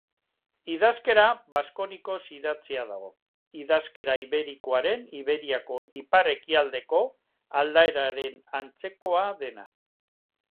Idazkera baskonikoz idatzia dago, idazkera iberikoaren Iberiako ipar-ekialdeko aldaeraren antzekoa dena